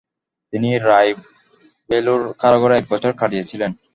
তিনি রায় ভেলোর কারাগারে এক বছর কাটিয়েছিলেন।